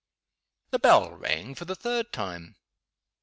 The bell rang for the third time.